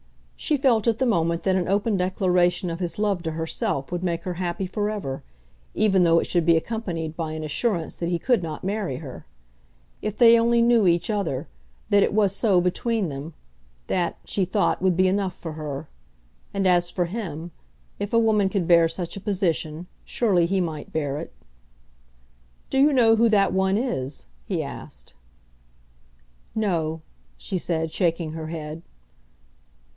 She felt at the moment that an open declaration of his love to herself would make her happy for ever, even though it should be accompanied by an assurance that he could not marry her. If they only knew each other, that it was so between them, that, she thought, would be enough for her. And as for him if a woman could bear such a position, surely he might bear it. "Do you know who that one is?" he asked. "No," she said, shaking her head.